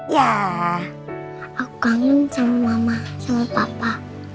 ya aku kangen sama mama sama papa